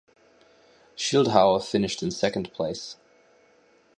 Schildhauer finished in second place.